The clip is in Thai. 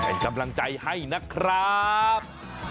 เป็นกำลังใจให้นะครับ